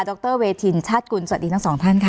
รเวทินชาติกุลสวัสดีทั้งสองท่านค่ะ